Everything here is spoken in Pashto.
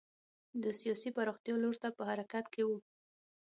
د سیاسي پراختیا لور ته په حرکت کې و.